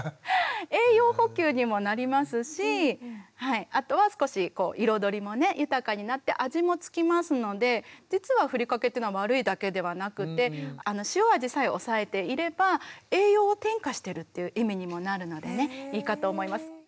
栄養補給にもなりますしあとは少し彩りもね豊かになって味もつきますので実はふりかけっていうのは悪いだけではなくて塩味さえおさえていれば栄養を添加してるっていう意味にもなるのでねいいかと思います。